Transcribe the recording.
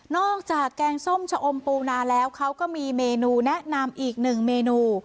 แกงส้มชะอมปูนาแล้วเขาก็มีเมนูแนะนำอีกหนึ่งเมนู